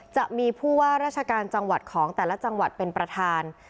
จะมีผู้ว่าราชการจังหวัดของแต่ละจังหวัดเป็นประธาน